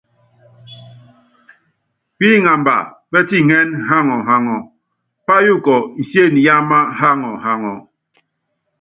Píŋamba pɛ́tiŋɛ́nɛ́ yaŋɔ yaŋɔ, payuukɔ insiene yáámá yaŋɔ yaŋɔ.